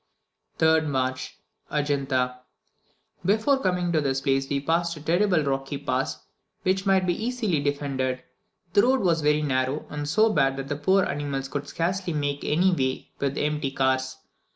3rd March. Adjunta. Before coming to this place we passed a terrible rocky pass which might be easily defended. The road was very narrow, and so bad that the poor animals could scarcely make any way with the empty cars.